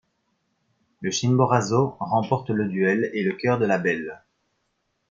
Le Chimborazo remporte le duel, et le cœur de la belle.